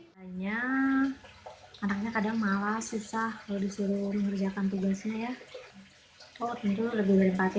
hanya anaknya kadang malah susah kalau disuruh mengerjakan tugasnya ya oh tentu lebih berempati